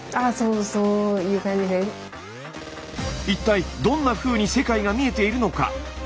一体どんなふうに世界が見えているのか？